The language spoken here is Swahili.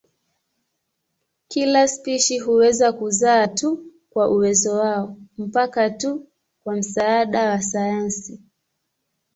Kila spishi huweza kuzaa tu kwa uwezo wao mpaka tu kwa msaada wa sayansi.